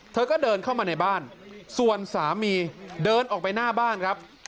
เธอก็เดินเข้ามาในบ้านส่วนสามีเดินออกไปหน้าบ้านครับ